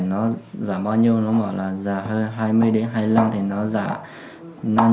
nó giả bao nhiêu nó bảo là giả hơn hai mươi hai mươi năm thì nó giả